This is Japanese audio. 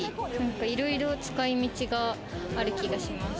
いろいろ使い道がある気がします。